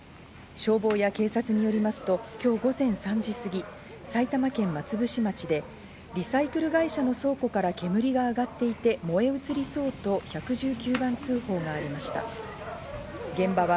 消防や警察によりますと、今日午前３時過ぎ、埼玉県松伏町でリサイクル会社の倉庫から煙が上がっていて、燃え移りそうと１１９番通報がありました。